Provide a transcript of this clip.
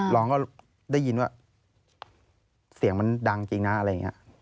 น้องก็ได้ยินว่าเสียงมันดังจริงนะอะไรอย่างนี้